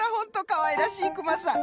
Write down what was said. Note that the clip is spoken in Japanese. かわいらしいクマさん。